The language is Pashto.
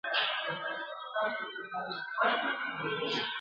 چي د دې په بچو موړ وو پړسېدلې..